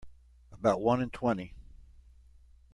About one in twenty.